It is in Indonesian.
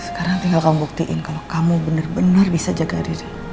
sekarang tinggal kamu buktiin kalau kamu bener bener bisa jaga riri